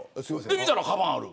で、見たらかばんがある。